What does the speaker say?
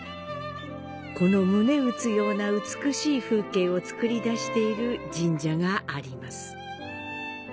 この胸打つような美しい風景をつくり出している神社があります。